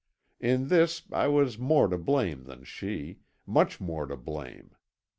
In this I was more to blame than she much more to blame.